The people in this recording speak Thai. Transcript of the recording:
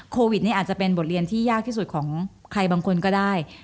โควิดนี่อาจจะเป็นบทเรียนที่ยากที่สุดของใครบางคนก็ได้